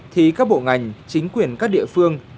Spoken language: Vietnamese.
thì các bộ ngành chính quyền các địa phương